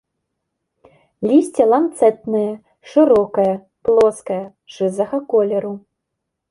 Лісце ланцэтнае, шырокае, плоскае, шызага колеру.